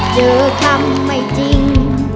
เด้อคำไม่จริง